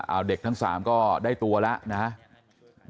เอาเด็กทั้ง๓ก็ได้ตัวแล้วนะครับ